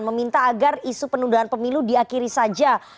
meminta agar isu penundaan pemilu diakhiri saja